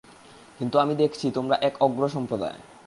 কিন্তু আমি দেখছি, তোমরা এক অজ্ঞ সম্প্রদায়।